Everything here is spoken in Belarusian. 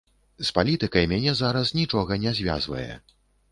З палітыкай мяне зараз нічога не звязвае.